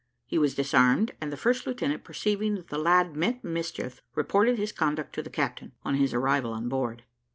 He was disarmed, and the first lieutenant, perceiving that the lad meant mischief, reported his conduct to the captain, on his arrival on board.